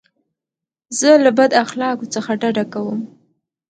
زه له بد اخلاقو څخه ډډه کوم.